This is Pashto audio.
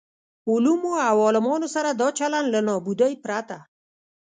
علومو او عالمانو سره دا چلن له نابودۍ پرته.